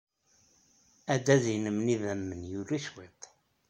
Adad-nnem n yidammen yuli cwiṭ.